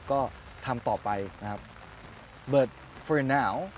คุณต้องเป็นผู้งาน